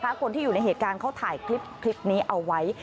คนที่อยู่ในเหตุการณ์เขาถ่ายคลิปนี้เอาไว้